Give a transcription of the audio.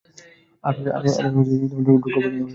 আর দুঃখ প্রকাশ করতে হবে না।